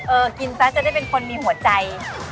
กินซะจะได้เป็นคนมีหัวใจ